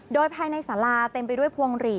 โดยภายในสาราเต็มไปด้วยพวงหลีด